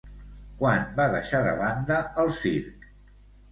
Quan va deixar de banda el circ?